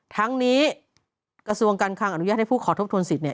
ทั้งนี้กระทรวงการคังอนุญาตให้ผู้ขอทบทวนสิทธิเนี่ย